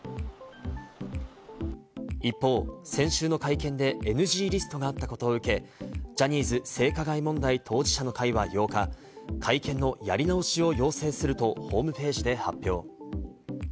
一方、先週の会見でＮＧリストがあったことを受け、ジャニーズ性加害問題当事者の会は８日、会見のやり直しを要請するとホームページで発表。